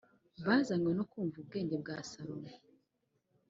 bazanywe no kumva ubwenge bwa salomo